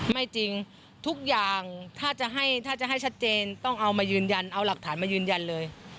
ไม่จริงทุกอย่างถ้าจะให้ถ้าจะให้ชัดเจนต้องเอามายืนยันเอาหลักฐานมายืนยันเลย